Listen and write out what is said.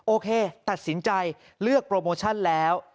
โอเคตัดสินใจเลือกโปรโมชั่นแล้ว